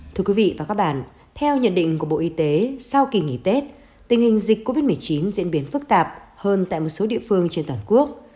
thưa quý vị và các bạn theo nhận định của bộ y tế sau kỳ nghỉ tết tình hình dịch covid một mươi chín diễn biến phức tạp hơn tại một số địa phương trên toàn quốc